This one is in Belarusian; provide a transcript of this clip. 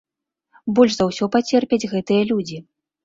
Больш за ўсё пацерпяць гэтыя людзі.